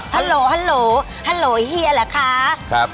ฮัลโหลฮัลโหลฮัลโหลเฮียแหละคะ